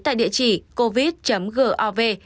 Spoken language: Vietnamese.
tại địa chỉ covid gov